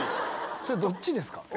それどっちですか？